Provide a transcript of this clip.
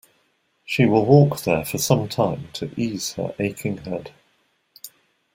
She will walk there for some time to ease her aching head.